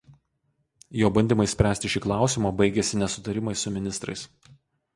Jo bandymai spręsti šį klausimą baigėsi nesutarimais su ministrais.